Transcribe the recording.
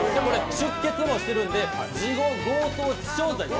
出血もしているので、事後強盗致傷罪。